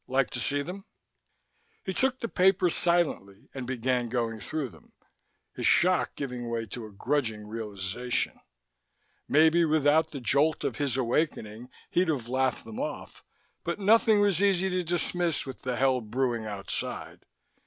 Like to see them?" He took the papers silently and began going through them, his shock giving way to a grudging realization. Maybe without the jolt of his awakening, he'd have laughed them off, but nothing was easy to dismiss with the hell brewing outside.